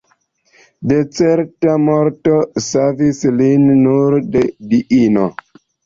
De certa morto savis lin nur la diino.